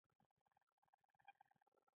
غواړي پخوانی ایدیال اسلام تطبیق کړي.